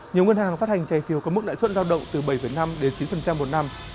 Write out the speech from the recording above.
nhiều ngân hàng phát hành trái phiếu có mức lãi suất giao động từ bảy năm đến chín một năm